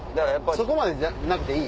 そこまでじゃなくていい？